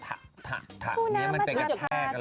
ฮัคคูนามชาชาชา